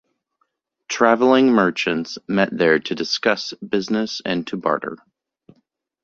Traveling merchants met there to discuss business and to barter.